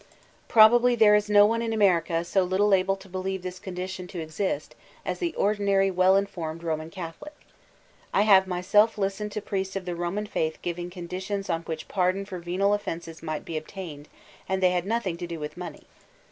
Probably there b no one in America so little able to believe this condition to exist, as the ordinary well informed Roman Catholic. I have mjrself listened to priests of the Roman faith giving the conditions on which 3o8 VoLTAnuNB DE Clbyrc pardon for venal oflFenses migfat be obtained; and they had nothing to do with money.